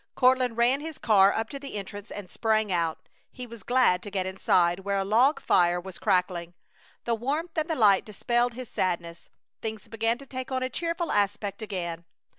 Courtland ran his car up to the entrance and sprang out. He was glad to get inside, where a log fire was crackling. The warmth and the light dispelled his sadness. Things began to take on a cheerful aspect again.